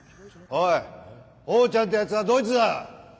おいほーちゃんってやつはどいつだ？